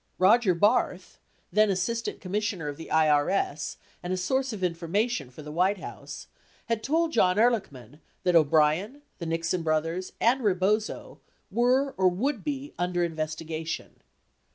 Roger Barth, then Assistant Commissioner of the IRS and a source of in formation for the White House, had told John Ehrlichman that O'Brien, the Nixon brothers, and Rebozo were or would be under investigation.